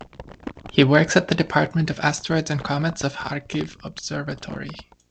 He works at the Department of asteroids and comets of Kharkiv Observatory.